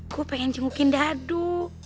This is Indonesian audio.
gue pengen cengukin dadu